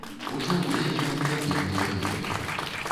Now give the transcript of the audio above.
Ужо высечаны блакітныя елкі.